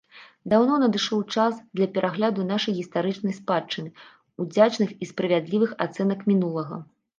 Даўно надышоў час для перагляду нашай гістарычнай спадчыны, удзячных і справядлівых ацэнак мінулага.